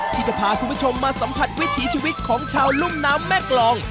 ที่จะพาคุณผู้ชมมาสัมผัสวิถีชีวิตของชาวรุ่มน้ำแม่กรอง